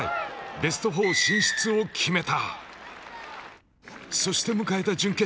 ベスト４進出を決めた。